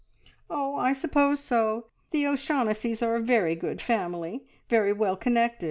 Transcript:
"Oh, I suppose so! The O'Shaughnessys are a very good family. Very well connected.